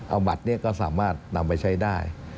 เอาบัตรนี้ก็สามารถนำไปใช้ได้